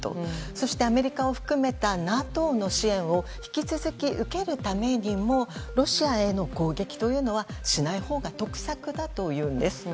そして、アメリカを含めたＮＡＴＯの支援を引き続き受けるためにもロシアへの攻撃というのはしないほうが得策だというんです。